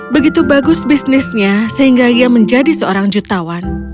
begitu bagus bisnisnya sehingga ia menjadi seorang jutawan